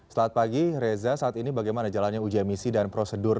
selamat pagi reza saat ini bagaimana jalannya uji emisi dan prosedur